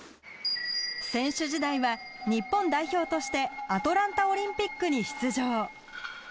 選手時代は日本代表としてアトランタオリンピックに出場。